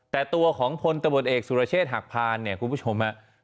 แต่ตัวของพลตะบดเอกสุรเชษฐ์หักพันคุณผู้ชม